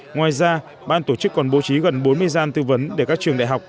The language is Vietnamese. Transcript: ngoài ra ban tổ chức còn bố trí gần bốn mươi gian tư vấn để các trường đại học